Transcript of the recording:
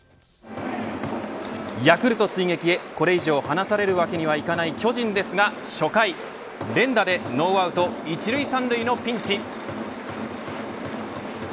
ヤクルト追撃へこれ以上離されるわけにはいかない巨人ですが初回連打でノーアウト１塁３塁のピンチ。